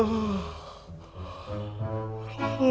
tidak ada apa apa